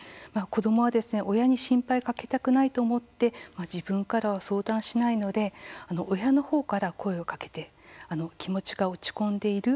子どもは親に心配をかけたくないと思って自分からは相談しないので親の方から声をかけて気持ちが落ち込んでいる？